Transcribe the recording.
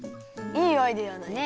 いいアイデアだね。